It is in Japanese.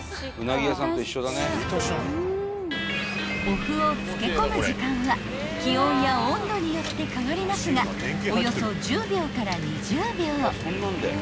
［お麩を漬け込む時間は気温や温度によって変わりますがおよそ１０秒から２０秒］